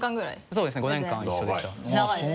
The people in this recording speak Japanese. そうですね５年間一緒でした。